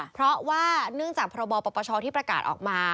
เพราะว่าเนื่องจากพบปปชที่ประกาศออกมา